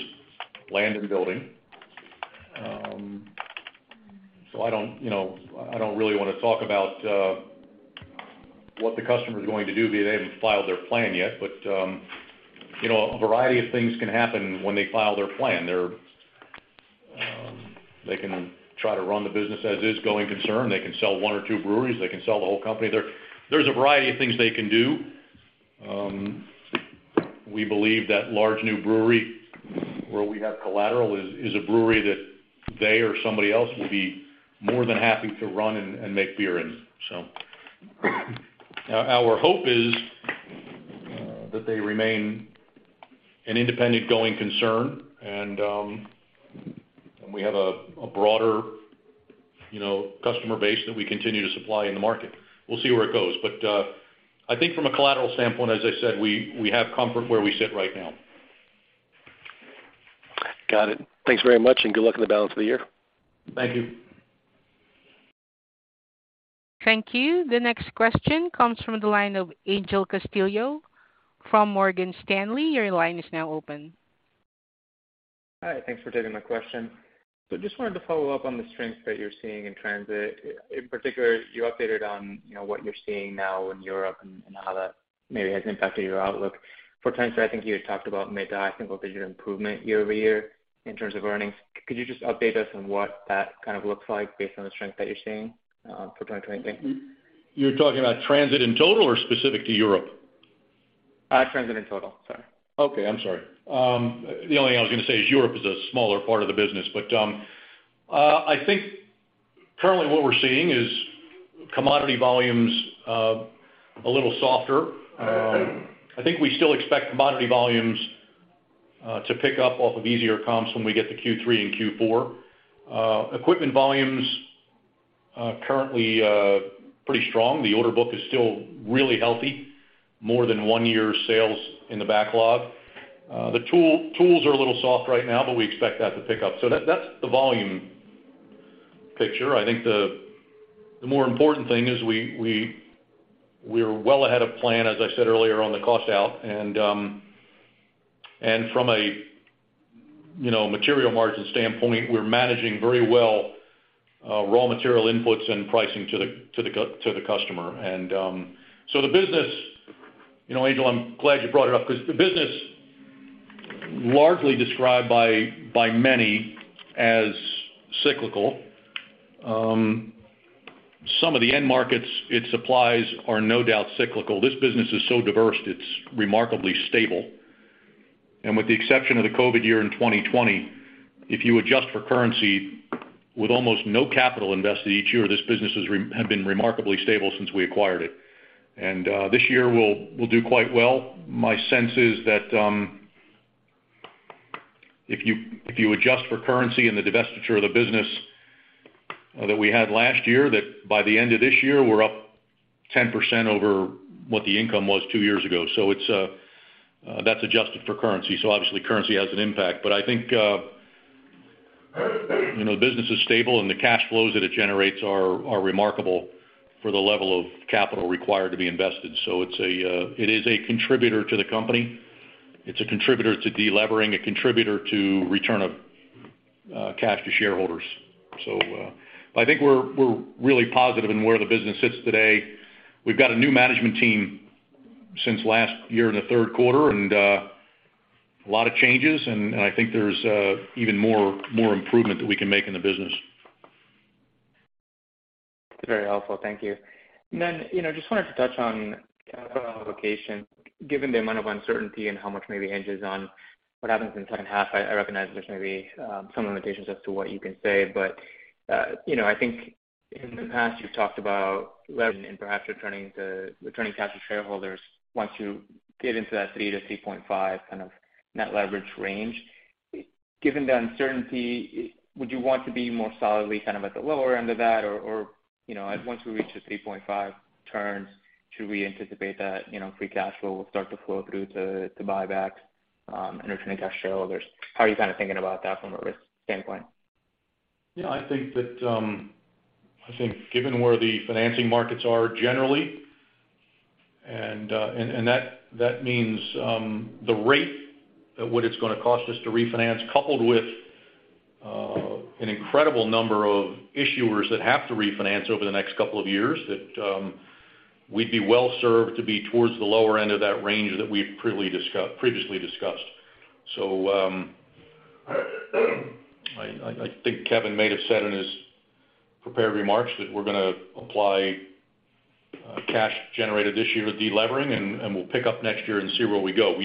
land and building. I don't, you know, I don't really wanna talk about what the customer's going to do via they haven't filed their plan yet. You know, a variety of things can happen when they file their plan. They can try to run the business as is going concern. They can sell one or two breweries. They can sell the whole company. There's a variety of things they can do. We believe that large new brewery where we have collateral is a brewery that they or somebody else will be more than happy to run and make beer in, so. Our hope is that they remain an independent going concern and we have a broader, you know, customer base that we continue to supply in the market. We'll see where it goes. I think from a collateral standpoint, as I said, we have comfort where we sit right now. Got it. Thanks very much, and good luck in the balance of the year. Thank you. Thank you. The next question comes from the line of Angel Castillo from Morgan Stanley. Your line is now open. Hi. Thanks for taking my question. Just wanted to follow up on the strength that you're seeing in Transit. In particular, you updated on, you know, what you're seeing now in Europe and how that maybe has impacted your outlook. For Transit, I think you had talked about mid-I, I think, was your improvement year-over-year in terms of earnings. Could you just update us on what that kind of looks like based on the strength that you're seeing for 2020? You're talking about Transit in total or specific to Europe? Transit in total. Sorry. Okay. I'm sorry. The only thing I was gonna say is Europe is a smaller part of the business. I think currently what we're seeing is commodity volumes a little softer. I think we still expect commodity volumes to pick up off of easier comps when we get to Q3 and Q4. Equipment volumes currently pretty strong. The order book is still really healthy, more than 1 year sales in the backlog. The tools are a little soft right now, but we expect that to pick up. That's the volume picture. I think the more important thing is we're well ahead of plan, as I said earlier, on the cost out. From a, you know, material margin standpoint, we're managing very well raw material inputs and pricing to the customer. The business, you know, Angel, I'm glad you brought it up 'cause the business largely described by many as cyclical. Some of the end markets it supplies are no doubt cyclical. This business is so diverse, it's remarkably stable. With the exception of the COVID year in 2020, if you adjust for currency with almost no capital invested each year, this business have been remarkably stable since we acquired it. This year will do quite well. My sense is that, if you, if you adjust for currency and the divestiture of the business that we had last year, that by the end of this year, we're up 10% over what the income was two years ago. It's that's adjusted for currency. Obviously, currency has an impact. I think, you know, the business is stable, and the cash flows that it generates are remarkable for the level of capital required to be invested. It's a contributor to the company. It's a contributor to delevering, a contributor to return of cash to shareholders. I think we're really positive in where the business sits today. We've got a new management team since last year in the third quarter, and, a lot of changes, and I think there's, more improvement that we can make in the business. Very helpful. Thank you. Just wanted to touch on capital allocation. Given the amount of uncertainty and how much maybe hinges on what happens in the second half, I recognize there's maybe some limitations as to what you can say. I think in the past, you've talked about levering and perhaps returning cash to shareholders once you get into that 3-3.5 kind of net leverage range. Given the uncertainty, would you want to be more solidly kind of at the lower end of that or, once we reach the 3.5 turns, should we anticipate that free cash flow will start to flow through to buyback and return to cash shareholders? How are you kind of thinking about that from a risk standpoint? I think that, I think given where the financing markets are generally, and that means the rate of what it's gonna cost us to refinance, coupled with an incredible number of issuers that have to refinance over the next couple of years, that we'd be well served to be towards the lower end of that range that we've previously discussed. I think Kevin may have said in his prepared remarks that we're gonna apply cash generated this year to delevering, and we'll pick up next year and see where we go.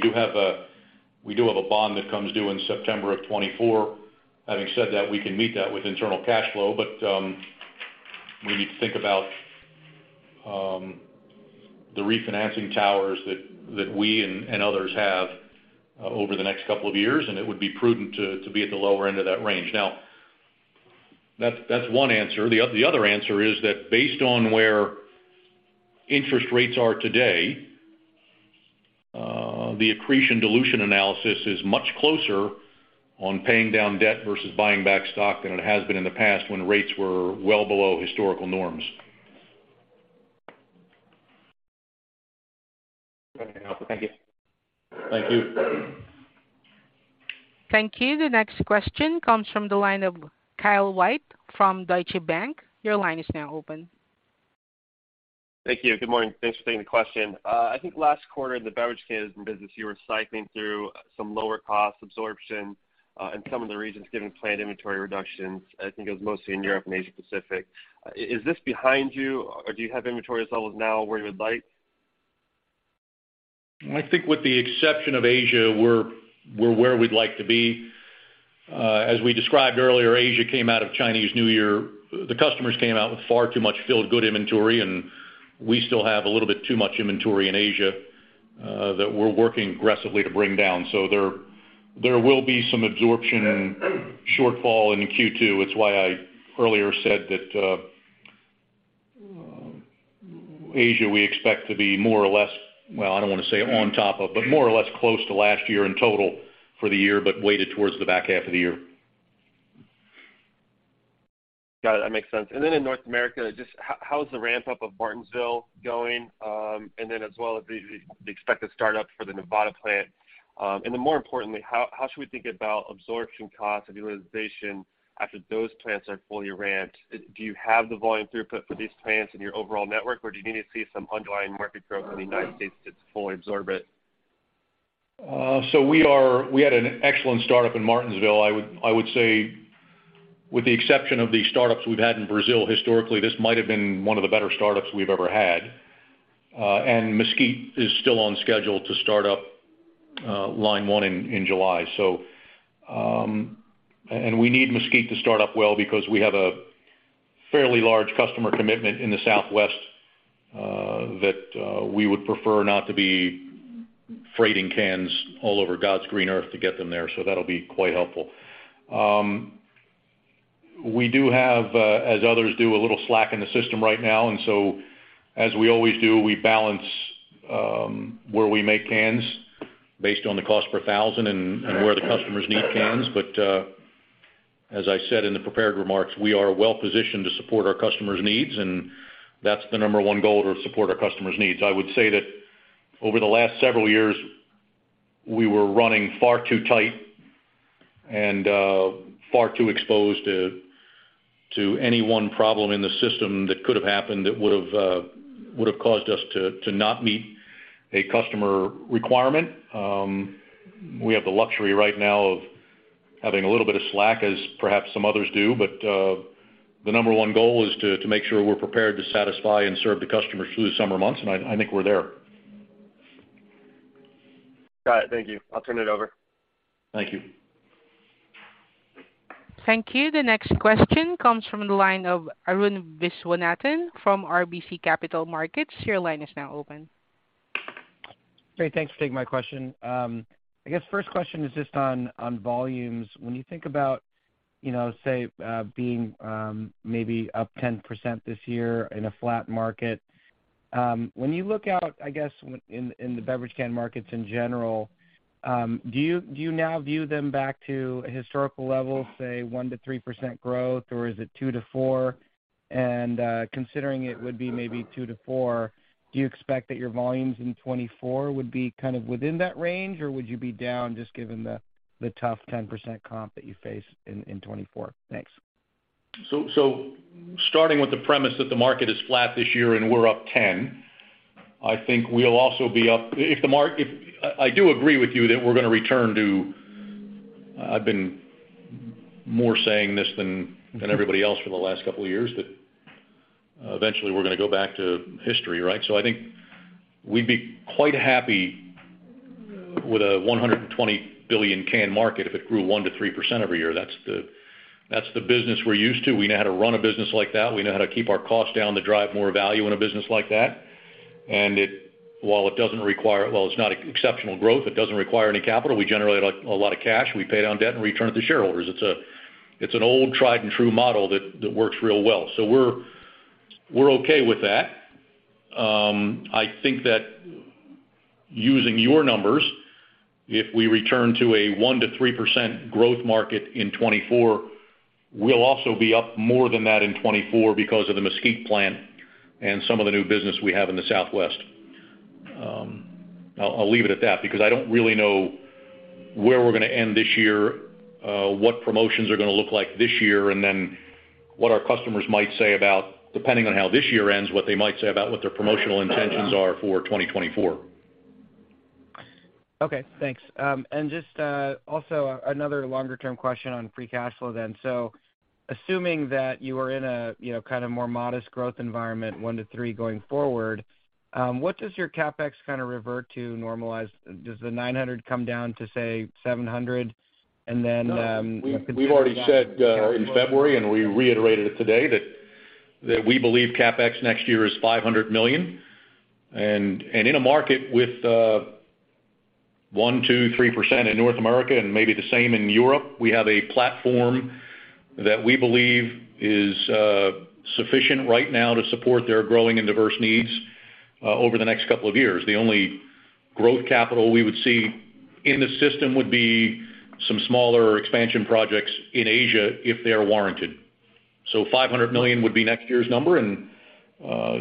We do have a bond that comes due in September of 2024. Having said that, we can meet that with internal cash flow. When you think about the refinancing towers that we and others have over the next couple of years, it would be prudent to be at the lower end of that range. That's one answer. The other answer is that based on where interest rates are today, the accretion dilution analysis is much closer on paying down debt versus buying back stock than it has been in the past when rates were well below historical norms. Very helpful. Thank you. Thank you. Thank you. The next question comes from the line of Kyle White from Deutsche Bank. Your line is now open. Thank you. Good morning. Thanks for taking the question. I think last quarter, the beverage cans business, you were cycling through some lower cost absorption, in some of the regions given planned inventory reductions. I think it was mostly in Europe and Asia Pacific. Is this behind you or do you have inventory levels now where you would like? I think with the exception of Asia, we're where we'd like to be. As we described earlier, Asia came out of Chinese New Year. The customers came out with far too much filled good inventory, and we still have a little bit too much inventory in Asia that we're working aggressively to bring down. There will be some absorption shortfall in Q2. It's why I earlier said that Asia, we expect to be more or less, well, I don't want to say on top of, but more or less close to last year in total for the year, but weighted towards the back half of the year. Got it. That makes sense. In North America, just how is the ramp-up of Martinsville going? as well as the expected start up for the Nevada plant. more importantly, how should we think about absorption costs and utilization after those plants are fully ramped? Do you have the volume throughput for these plants in your overall network, or do you need to see some underlying market growth in the United States to fully absorb it? We had an excellent startup in Martinsville. I would say, with the exception of the startups we've had in Brazil historically, this might have been one of the better startups we've ever had. Mesquite is still on schedule to start up, line one in July. We need Mesquite to start up well because we have a fairly large customer commitment in the Southwest, that we would prefer not to be freighting cans all over God's green Earth to get them there. That'll be quite helpful. We do have, as others do, a little slack in the system right now, as we always do, we balance where we make cans based on the cost per 1,000 and where the customers need cans. As I said in the prepared remarks, we are well-positioned to support our customers' needs, and that's the number one goal, to support our customers' needs. I would say that over the last several years, we were running far too tight and far too exposed to any one problem in the system that could have happened that would've caused us to not meet a customer requirement. We have the luxury right now of having a little bit of slack, as perhaps some others do, the number one goal is to make sure we're prepared to satisfy and serve the customers through the summer months. I think we're there. Got it. Thank you. I'll turn it over. Thank you. Thank you. The next question comes from the line of Arun Viswanathan from RBC Capital Markets. Your line is now open. Great. Thanks for taking my question. I guess first question is just on volumes. When you think about, you know, say, being maybe up 10% this year in a flat market. When you look out, I guess, in the beverage can markets in general, do you, do you now view them back to historical levels, say 1%-3% growth, or is it 2%-4%? Considering it would be maybe 2%-4%, do you expect that your volumes in 2024 would be kind of within that range, or would you be down just given the tough 10% comp that you face in 2024? Thanks. Starting with the premise that the market is flat this year and we're up 10. I think we'll also be up. I do agree with you that we're gonna return to, I've been more saying this than everybody else for the last couple of years, that eventually we're gonna go back to history, right? I think we'd be quite happy with a 120 billion can market if it grew 1%-3% every year. That's the business we're used to. We know how to run a business like that. We know how to keep our costs down to drive more value in a business like that. While it's not exceptional growth, it doesn't require any capital. We generate a lot of cash. We pay down debt and return it to shareholders. It's an old tried and true model that works real well. We're okay with that. I think that using your numbers, if we return to a 1%-3% growth market in 2024, we'll also be up more than that in 2024 because of the Mesquite plant and some of the new business we have in the Southwest. I'll leave it at that because I don't really know where we're gonna end this year, what promotions are gonna look like this year, and then what our customers might say about, depending on how this year ends, what they might say about what their promotional intentions are for 2024. Okay, thanks. Just also another longer term question on free cash flow then. Assuming that you are in a, you know, kind of more modest growth environment, 1%-3% going forward, what does your CapEx kind of revert to normalize? Does the $900 come down to, say, $700? Then, No, we've already said in February, and we reiterated it today, that we believe CapEx next year is $500 million. In a market with 1%, 2%, 3% in North America and maybe the same in Europe, we have a platform that we believe is sufficient right now to support their growing and diverse needs over the next couple of years. The only growth capital we would see in the system would be some smaller expansion projects in Asia if they are warranted. $500 million would be next year's number. You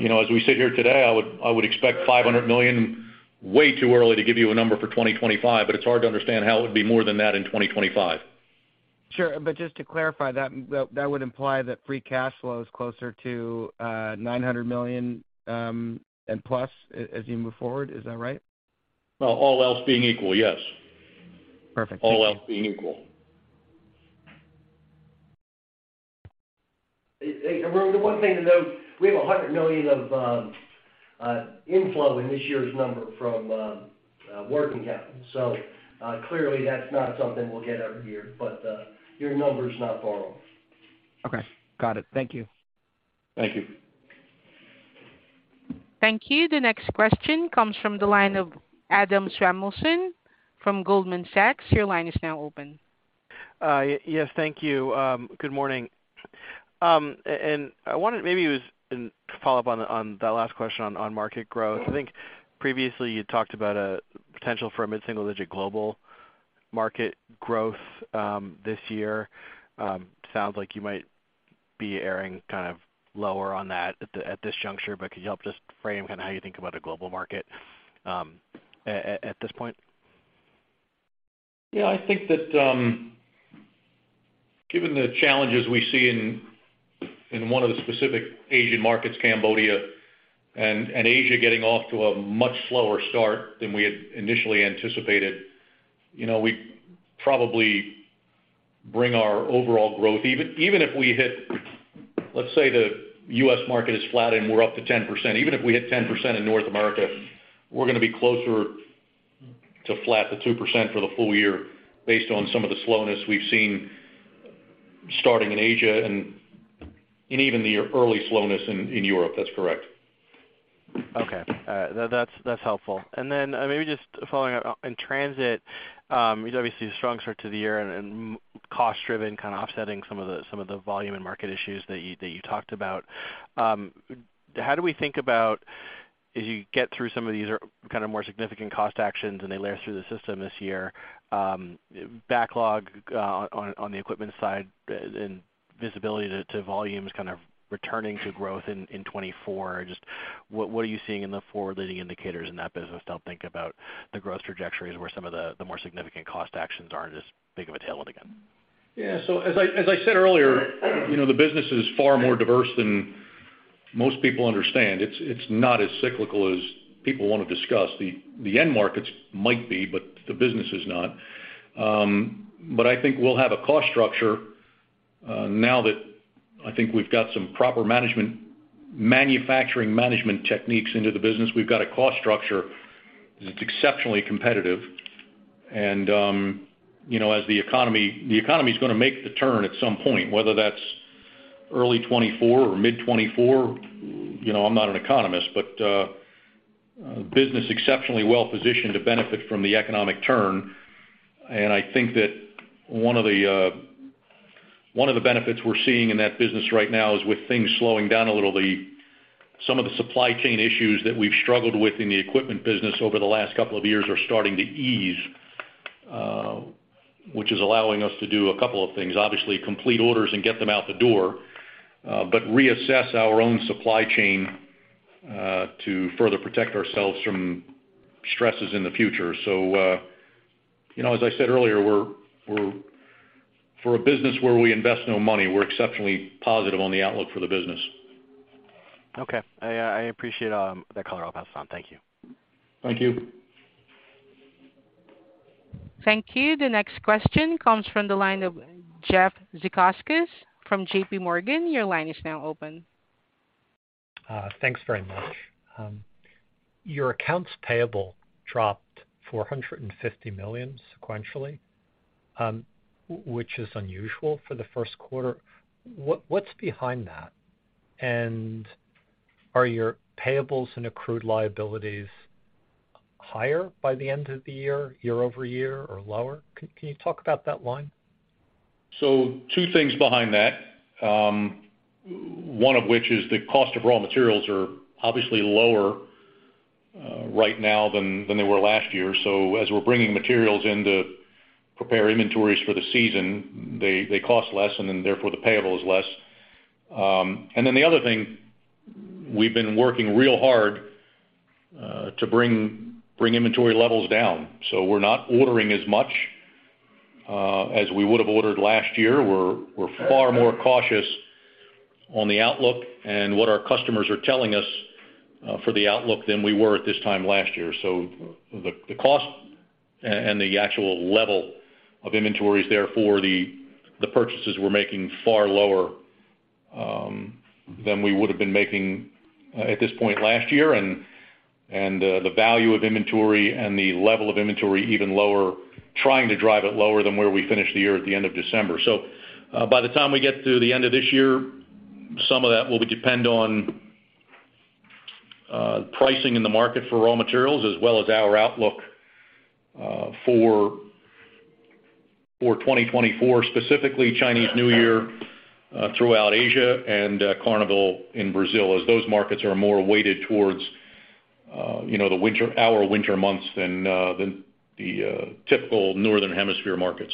know, as we sit here today, I would expect $500 million. Way too early to give you a number for 2025, but it's hard to understand how it would be more than that in 2025. Sure. Just to clarify, that would imply that free cash flow is closer to $900 million, and plus as you move forward. Is that right? Well, all else being equal, yes. Perfect. All else being equal. Arun, the one thing to note, we have $100 million of inflow in this year's number from working capital. Clearly that's not something we'll get every year, but your number is not far off. Okay. Got it. Thank you. Thank you. Thank you. The next question comes from the line of Adam Samuelson from Goldman Sachs. Your line is now open. Yes, thank you. Good morning. I wanted maybe it was in follow-up on that last question on market growth. I think previously you talked about a potential for a mid-single digit global market growth this year. Sounds like you might be erring kind of lower on that at this juncture, but could you help just frame kind of how you think about a global market at this point? I think that, given the challenges we see in one of the specific Asian markets, Cambodia and Asia getting off to a much slower start than we had initially anticipated, you know, we probably bring our overall growth. Even if we hit, let's say the U.S. market is flat and we're up to 10%, even if we hit 10% in North America, we're gonna be closer to flat to 2% for the full year based on some of the slowness we've seen starting in Asia and even the early slowness in Europe. That's correct. Okay. That's helpful. Maybe just following up on Transit, you know, obviously the strong start to the year and cost driven kind of offsetting some of the volume and market issues that you talked about. How do we think about as you get through some of these kind of more significant cost actions and they layer through the system this year, backlog on the equipment side and visibility to volumes kind of returning to growth in 2024? Just what are you seeing in the forward-leading indicators in that business to help think about the growth trajectories where some of the more significant cost actions aren't as big of a tailwind again? As I said earlier, you know, the business is far more diverse than most people understand. It's not as cyclical as people wanna discuss. The end markets might be, but the business is not. I think we'll have a cost structure now that I think we've got some proper manufacturing management techniques into the business. We've got a cost structure that's exceptionally competitive. You know, the economy's gonna make the turn at some point, whether that's early 2024 or mid-2024. You know, I'm not an economist, but business exceptionally well positioned to benefit from the economic turn. I think that, you know, one of the benefits we're seeing in that business right now is with things slowing down a little, some of the supply chain issues that we've struggled with in the equipment business over the last couple of years are starting to ease, which is allowing us to do a couple of things. Obviously, complete orders and get them out the door, but reassess our own supply chain to further protect ourselves from stresses in the future. You know, as I said earlier, we're for a business where we invest no money, we're exceptionally positive on the outlook for the business. Okay. I appreciate that color on that. Thank you. Thank you. Thank you. The next question comes from the line of Jeff Zekauskas from J.P. Morgan. Your line is now open. Thanks very much. Your accounts payable dropped $450 million sequentially, which is unusual for the first quarter. What's behind that? Are your payables and accrued liabilities higher by the end of the year-over-year or lower? Can you talk about that line? Two things behind that, one of which is the cost of raw materials are obviously lower right now than they were last year. As we're bringing materials in to prepare inventories for the season, they cost less, and then therefore, the payable is less. The other thing, we've been working real hard to bring inventory levels down, so we're not ordering as much as we would have ordered last year. We're far more cautious on the outlook and what our customers are telling us for the outlook than we were at this time last year. The cost and the actual level of inventory is therefore the purchases we're making far lower than we would've been making at this point last year. The value of inventory and the level of inventory even lower, trying to drive it lower than where we finished the year at the end of December. By the time we get to the end of this year, some of that will be depend on pricing in the market for raw materials as well as our outlook for 2024, specifically Chinese New Year throughout Asia and Carnival in Brazil, as those markets are more weighted towards, you know, our winter months than the typical northern hemisphere markets.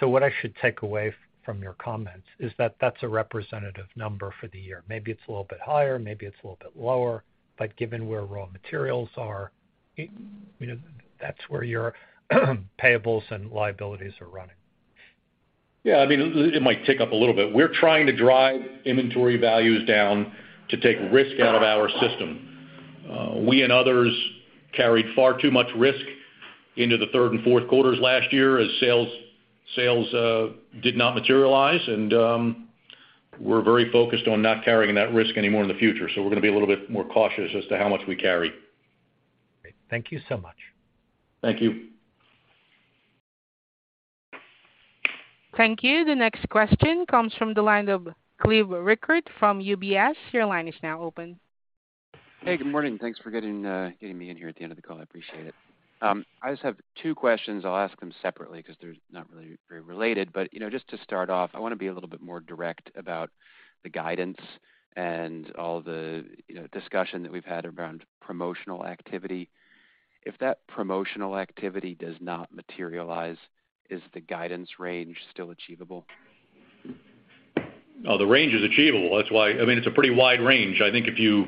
What I should take away from your comments is that that's a representative number for the year. Maybe it's a little bit higher, maybe it's a little bit lower, but given where raw materials are, you know, that's where your payables and liabilities are running. Yeah. I mean, it might tick up a little bit. We're trying to drive inventory values down to take risk out of our system. We and others carried far too much risk into the third and fourth quarters last year as sales did not materialize. We're very focused on not carrying that risk anymore in the future. We're gonna be a little bit more cautious as to how much we carry. Great. Thank you so much. Thank you. Thank you. The next question comes from the line of Cleve Rueckert from UBS. Your line is now open. Hey, good morning. Thanks for getting me in here at the end of the call. I appreciate it. I just have two questions. I'll ask them separately 'cause they're not really very related. You know, just to start off, I wanna be a little bit more direct about the guidance and all the, you know, discussion that we've had around promotional activity. If that promotional activity does not materialize, is the guidance range still achievable? The range is achievable. That's why, I mean, it's a pretty wide range. I think if you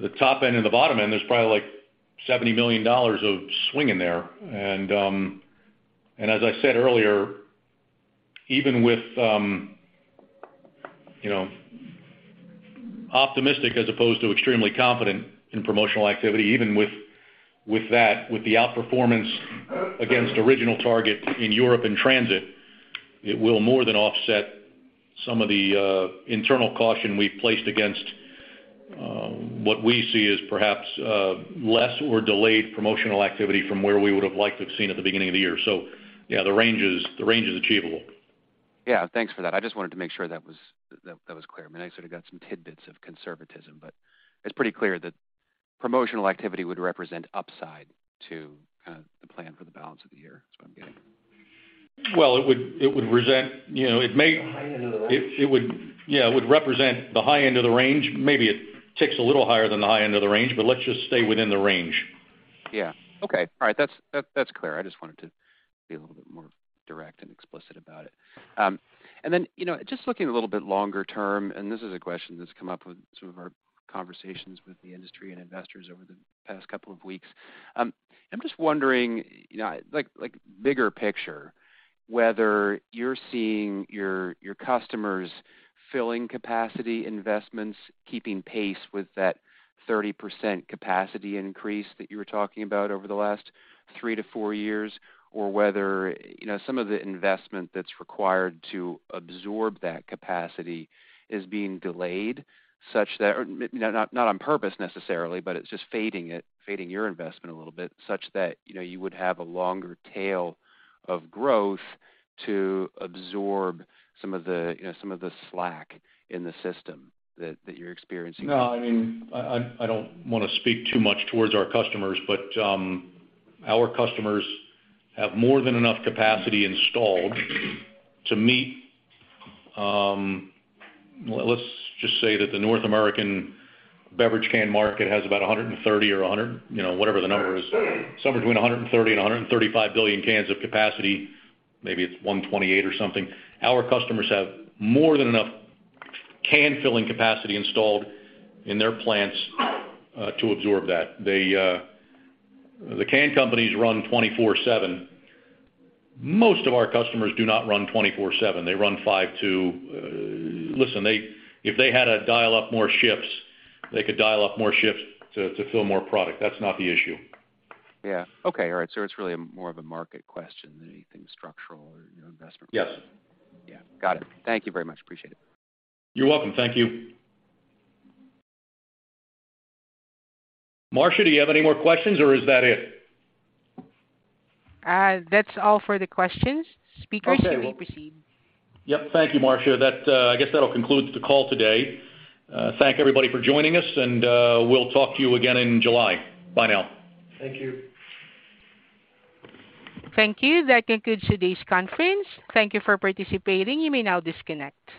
the top end and the bottom end, there's probably, like, $70 million of swing in there. As I said earlier, even with, you know, optimistic as opposed to extremely confident in promotional activity, even with that, with the outperformance against original target in Europe and Transit, it will more than offset some of the internal caution we've placed against what we see as perhaps less or delayed promotional activity from where we would have liked to have seen at the beginning of the year. The range is achievable. Yeah. Thanks for that. I just wanted to make sure that was clear. I mean, I sort of got some tidbits of conservatism. It's pretty clear that promotional activity would represent upside to the plan for the balance of the year is what I'm getting. Well, it would present, you know. The high end of the range. It would. Yeah, it would represent the high end of the range. Maybe it ticks a little higher than the high end of the range. Let's just stay within the range. Yeah. Okay. All right. That's, that's clear. I just wanted to be a little bit more direct and explicit about it. You know, just looking a little bit longer term, and this is a question that's come up with sort of our conversations with the industry and investors over the past couple of weeks. I'm just wondering, you know, like, bigger picture, whether you're seeing your customers' filling capacity investments keeping pace with that 30% capacity increase that you were talking about over the last 3-4 years, or whether, you know, some of the investment that's required to absorb that capacity is being delayed such that you know, not on purpose necessarily, but it's just fading your investment a little bit, such that, you know, you would have a longer tail of growth to absorb some of the, you know, slack in the system that you're experiencing. I mean, I don't want to speak too much towards our customers. Our customers have more than enough capacity installed to meet. Let's just say that the North American beverage can market has about 130 or 100, you know, whatever the number is, somewhere between 130 and 135 billion cans of capacity. Maybe it's 128 or something. Our customers have more than enough can filling capacity installed in their plants to absorb that. The can companies run 24/7. Most of our customers do not run 24/7. They run 5/2. Listen, if they had to dial up more shifts, they could dial up more shifts to fill more product. That's not the issue. Yeah. Okay, all right. It's really a more of a market question than anything structural or, you know, investment. Yes. Yeah. Got it. Thank you very much. Appreciate it. You're welcome. Thank you. Marcia, do you have any more questions or is that it? That's all for the questions. Speakers, you may proceed. Okay. Well Yep. Thank you, Marcia. That, I guess that'll conclude the call today. Thank everybody for joining us, and we'll talk to you again in July. Bye now. Thank you. Thank you. That concludes today's conference. Thank you for participating. You may now disconnect.